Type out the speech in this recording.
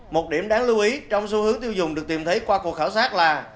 một điểm đáng lưu ý trong xu hướng tiêu dùng được tìm thấy qua cuộc khảo sát là